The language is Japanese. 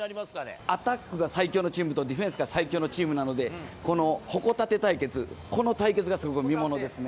アタックが最強のチームと、ディフェンスが最強のチームなので、この矛盾対決、この対決がすごい見ものですね。